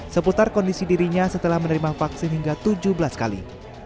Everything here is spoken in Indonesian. seputar kondisi dirinya setelah menerima vaksin hingga tujuh belas kali